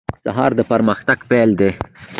سهار د پرمختګ پیل دی.